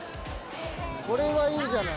これはいいじゃない？